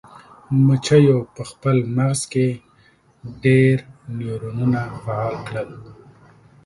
مچیو په خپل مغز کې ډیر نیورونونه فعال کړل.